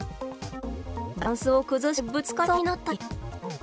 バランスを崩してぶつかりそうになったり。